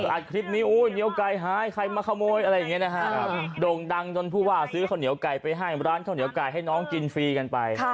อัดคลิปนี้เดี๋ยวไก่หายใครมาขโมยอะไรอย่างนี้นะฮะโด่งดังจนผู้ว่าซื้อข้าวเหนียวไก่ไปให้ร้านข้าวเหนียวไก่ให้น้องกินฟรีกันไป